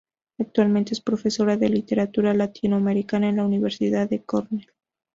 Actualmente es profesora de literatura latinoamericana en la Universidad de Cornell.